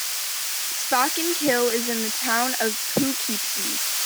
Spackenkill is in the town of Poughkeepsie.